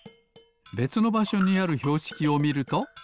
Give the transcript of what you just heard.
べつのばしょにあるひょうしきをみると。